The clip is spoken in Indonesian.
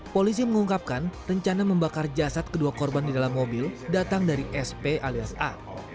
polisi mengungkapkan rencana membakar jasad kedua korban di dalam mobil datang dari sp alias a